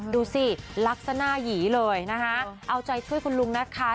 ดูสิลักษณะหน้าหยีเลยนะคะเอาใจช่วยคุณลุงนะคะ